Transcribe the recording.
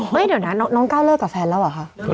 เดี๋ยวนะน้องก้าวเลิกกับแฟนแล้วเหรอคะ